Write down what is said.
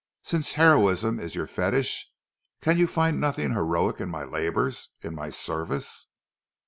Since heroism is your fetish, can you find nothing heroic in my labours, in my service?"